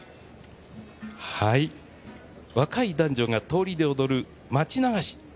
若い男女が通りで踊る町流し。